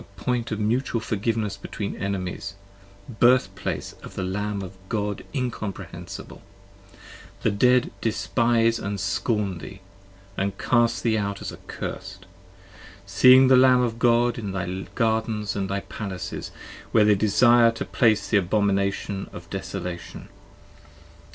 O point of mutual forgiveness between Enemies ! Birthplace of the Lamb of God incomprehensible ! The Dead despise & scorn thee, & cast thee out as accursed: Seeing the Lamb of God in thy gardens & thy palaces, 70 Where they desire to place the Abomination of Desolation.